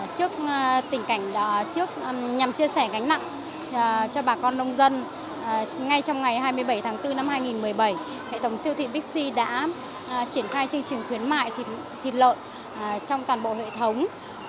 trước tình cảnh trước nhằm chia sẻ gánh nặng cho bà con nông dân ngay trong ngày hai mươi bảy tháng bốn năm hai nghìn một mươi bảy hệ thống siêu thị bixi đã triển khai chương trình khuyến mại thịt lợn trong toàn bộ hệ thống